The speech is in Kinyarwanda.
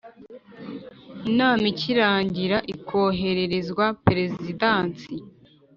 inama ikirangira ikohererezwa Perezidansi